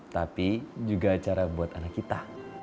tapi juga acara buat anak kita